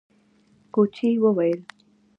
کوچي وويل: